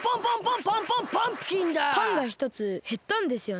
パンがひとつへったんですよね？